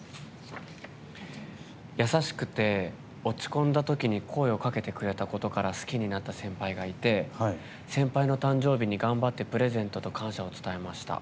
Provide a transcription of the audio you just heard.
優しくて、落ち込んだ時に声をかけてくれたことから好きになった先輩がいて、先輩の誕生日に頑張って誕生日プレゼントと感謝を伝えました。